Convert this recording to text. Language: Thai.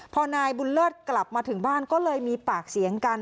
พอนายบุญเลิศกลับมาถึงบ้านก็เลยมีปากเสียงกัน